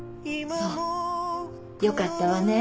そうよかったわね。